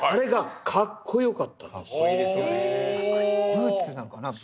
ブーツなのかな。